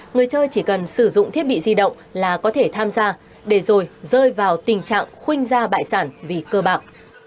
người chơi chỉ cần sử dụng thiết bị di động là có thể tham gia để rồi rơi vào tình trạng khuynh ra bại sản vì cơ bạc